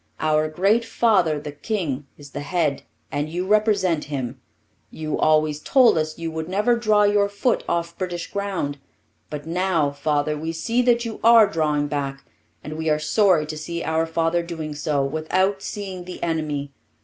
Our great father, the king, is the head, and you represent him. You always told us you would never draw your foot off British ground; but now, father, we see that you are drawing back, and we are sorry to see our father doing so, without seeing the enemy.